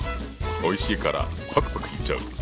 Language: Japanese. おいしいからパクパクいっちゃう！